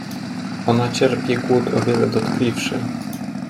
Ona cierpi głód o wiele dotkliwszy.